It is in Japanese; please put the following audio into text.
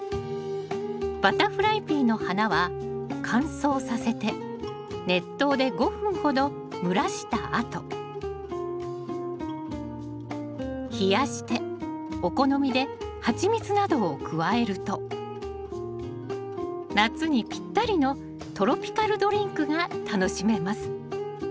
バタフライピーの花は乾燥させて熱湯で５分ほど蒸らしたあと冷やしてお好みで蜂蜜などを加えると夏にぴったりのトロピカルドリンクが楽しめます